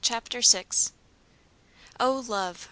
CHAPTER VI. O love!